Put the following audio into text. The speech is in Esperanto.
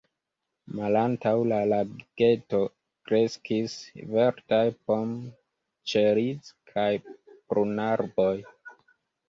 Malantaŭ la lageto kreskis verdaj pom-, ĉeriz- kaj prunarboj.